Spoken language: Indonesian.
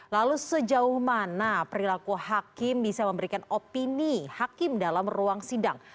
lalu sejauh mana perilaku hakim bisa memberikan opini hakim dalam ruang sidang